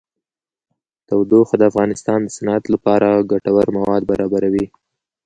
تودوخه د افغانستان د صنعت لپاره ګټور مواد برابروي.